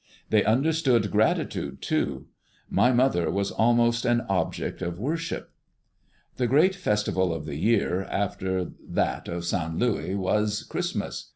They understood gratitude too. My mother was almost an object of worship. The great festival of the year, after that of Saint Louis, was Christmas.